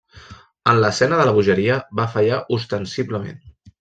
En l'escena de la bogeria, va fallar ostensiblement.